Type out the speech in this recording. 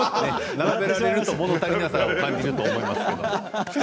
並べられるともの足りなさを感じると思いますけれど。